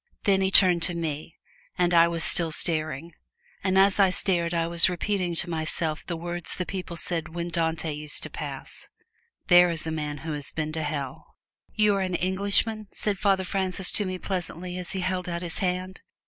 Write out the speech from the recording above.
Then he turned to me, and I was still staring. And as I stared I was repeating to myself the words the people said when Dante used to pass, "There is the man who has been to Hell!" "You are an Englishman?" said Father Francis to me pleasantly as he held out his hand.